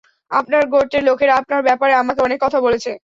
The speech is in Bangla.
আপনার গোত্রের লোকেরা আপনার ব্যাপারে আমাকে অনেক কথা বলেছে।